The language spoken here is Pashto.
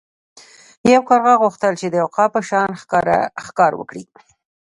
یو کارغه غوښتل چې د عقاب په شان ښکار وکړي.